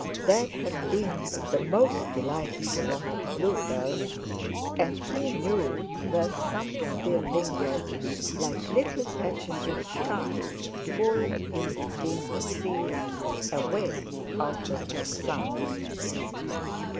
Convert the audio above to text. There had been the most delightful lot of bluebells, and he knew where some still lingered like little patches of sky fallen in between the trees, away out of the sun.